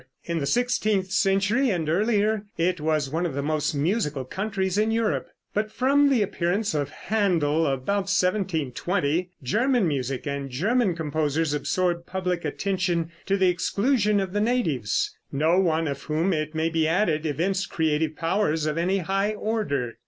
In the sixteenth century and earlier it was one of the most musical countries in Europe; but from the appearance of Händel, about 1720, German music and German composers absorbed public attention to the exclusion of the natives no one of whom, it may be added, evinced creative powers of any high order.